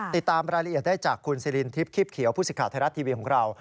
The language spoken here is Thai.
ติดตามรายละเอียดได้จากคุณสิรินทิพย์คิบเขียวผู้สิทธิ์ไทยรัฐทีวีของเรา